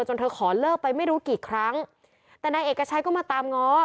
เธอขอเลิกไปไม่รู้กี่ครั้งแต่นายเอกชัยก็มาตามง้อ